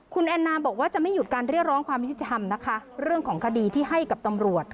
คุณแอนนาบอกว่าจะไม่หยุดการเรียกร้องความยุติธรรมนะคะเรื่องของคดีที่ให้กับตำรวจ